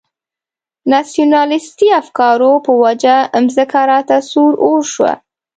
ناسیونالیستي افکارو په وجه مځکه راته سور اور شوه.